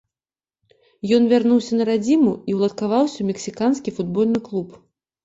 Ён вярнуўся на радзіму і ўладкаваўся ў мексіканскі футбольны клуб.